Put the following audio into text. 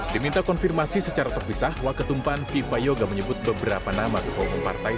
diminta konfirmasi secara terpisah waketumpan viva yoga menyebut beberapa nama ketua umum partai